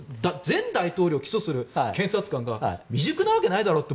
前大統領を起訴する検察官が未熟なわけないだろうって